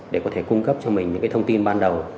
để có thể cung cấp cho mình những thông tin ban đầu